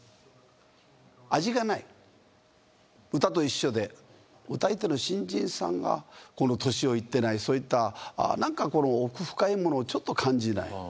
歌と一緒で歌い手の新人さんが年をいってないそういったなんか奥深いものをちょっと感じない